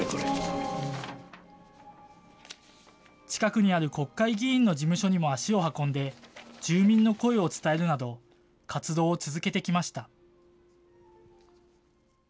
近くにある国会議員の事務所にも足を運んで、住民の声を伝えるなど、活動を続けてきました。